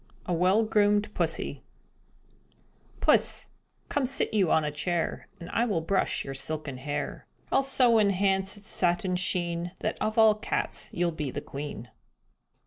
A WELL GROOMED PUSSY Puss, come sit you on a chair And I will brush your silken hair; I'll so enhance its satin sheen That of all cats you'll be the queen.